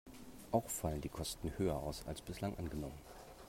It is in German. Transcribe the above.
Auch fallen die Kosten höher aus, als bislang angenommen.